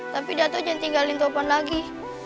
tapi dato jangan tinggalin topan lagi